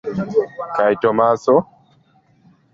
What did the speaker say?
Kaj Tomaso?